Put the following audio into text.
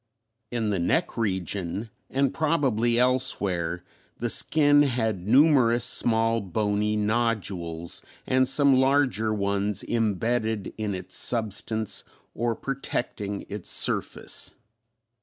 In the neck region and probably elsewhere the skin had numerous small bony nodules and some larger ones imbedded in its substance or protecting its surface.